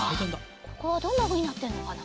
ここはどんなふうになってるのかな。